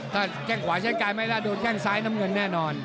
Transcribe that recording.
ถ้าแข้งขวาใช้กายไม่ได้โดนแข้งซ้ายน้ำเงินแน่นอน